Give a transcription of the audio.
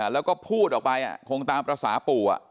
แล้วก็พูดออกไปคงตามภาษาปู่